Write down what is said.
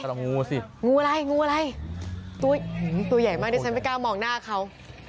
ลองงูสิงูอะไรงูอะไรตัวใหญ่มากดิฉันไม่กล้ามองหน้าเขา